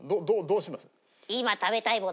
どうします？